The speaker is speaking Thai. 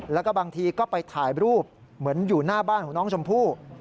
แล้วก็บางทีก็ไปถ่ายรูปเหมือนอยู่หน้าบ้านของน้องชมพู่